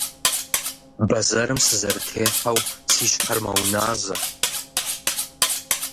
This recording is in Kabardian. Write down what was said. Бэзэрым сызэрытехьэу си щхьэр мэуназэ.